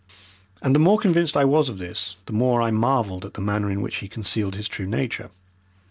And the more convinced I was of this the more I marvelled at the manner in which he concealed his true nature.